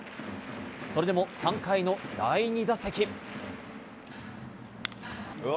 それでも３回の第２打席。